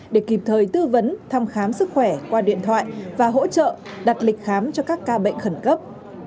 để kịp thời tư vấn thăm khám sức khỏe qua điện thoại và hỗ trợ đặt lịch khám cho các ca bệnh khẩn cấp